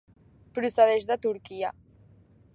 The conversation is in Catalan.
Procedeix de Turquia.